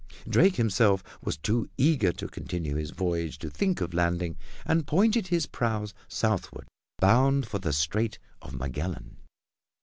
Drake himself was too eager to continue his voyage to think of landing, and pointed his prows southward, bound for the Strait of Magellan.